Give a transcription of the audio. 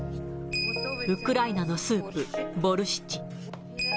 ウクライナのスープ、ボルシチ。